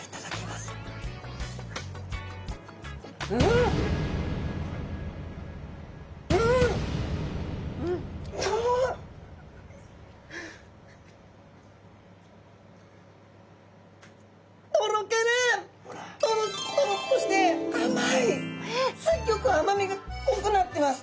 すっギョく甘みがこくなってます。